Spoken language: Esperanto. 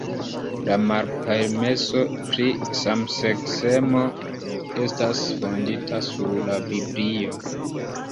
La malpermeso pri samseksemo estas fondita sur la Biblio.